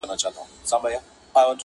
زموږ غاښو ته تيږي نه سي ټينگېدلاى٫